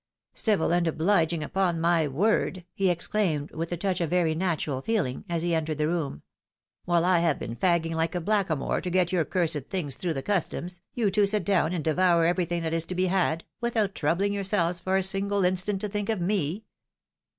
" Civil and obliging, upon my word," he exclaimed, with " a touch of very natural feeling" as he entered the room. "Wliile I have been fagging like a blackamoor to get your cursed things through the customs, you two sit down and devour everything that is to be had, without troubling your selves for a single instant to think of me."